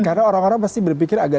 karena orang orang pasti berpikir agak